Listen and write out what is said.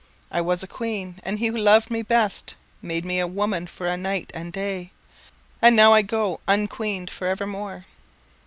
I was a queen, and he who loved me best Made me a woman for a night and day, And now I go unqueened forevermore.